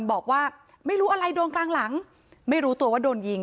บอกว่าไม่รู้อะไรโดนกลางหลังไม่รู้ตัวว่าโดนยิง